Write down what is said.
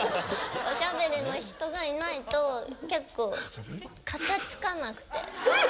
おしゃべりの人がいないと結構片づかなくて。